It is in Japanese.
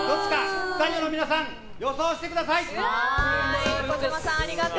スタジオの皆さん予想してください。